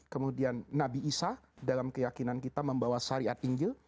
kemudian nabi isa dalam keyakinan kita membawa syariat injil